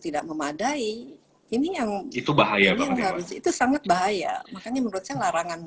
tidak memadai ini yang itu bahayanya itu sangat bahaya makanya menurut saya larangan